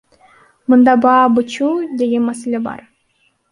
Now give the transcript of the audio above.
Мында баа бычуу деген маселе бар.